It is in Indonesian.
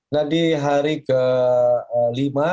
nah di hari kelima